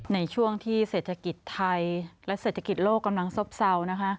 ในช่วงที่เศรษฐกิจไทยและเศรษฐกิจโลกกำลังซบเศร้านะคะ